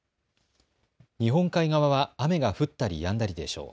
日本海側は雨が降ったりやんだりでしょう。